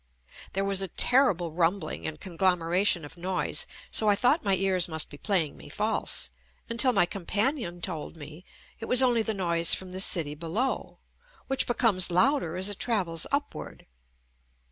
There was a terrible rumbling and conglomeration of noise, so I thought my ears must be playing me false until my companion told me it was only the noise from the city below, which becomes louder as it travels upward.